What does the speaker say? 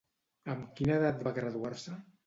Amb quina edat va graduar-se?